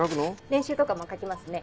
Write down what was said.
年収とかも書きますね。